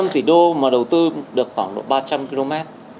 một mươi năm tỷ đô mà đầu tư được khoảng ba trăm linh km